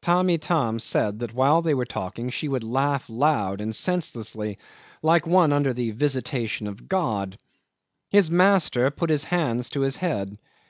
'Tamb' Itam said that while they were talking she would laugh loud and senselessly like one under the visitation of God. His master put his hands to his head.